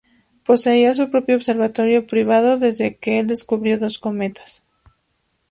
Poseía su propio observatorio privado, desde el que descubrió dos cometas.